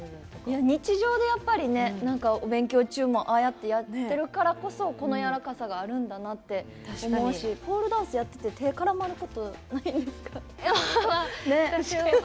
日常で、お勉強中もああやってやってるからこそこのやわらかさがあるんだなって思うしポールダンスやってて手、絡まることないですか？